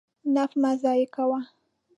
نفت مه ضایع کوه.